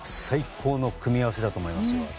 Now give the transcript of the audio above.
最高の組み合わせだと思いますよ。